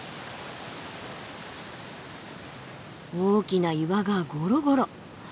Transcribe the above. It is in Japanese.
大きな岩がゴロゴロ。